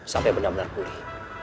sampai benar benar pulih